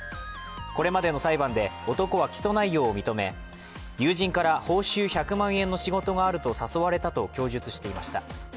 これまでの裁判で、男は起訴内容を認め友人から報酬１００万円の仕事があると誘われたと供述していました。